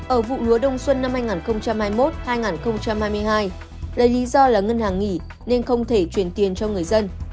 ở vụ lúa đông xuân năm hai nghìn hai mươi một hai nghìn hai mươi hai lấy lý do là ngân hàng nghỉ nên không thể chuyển tiền cho người dân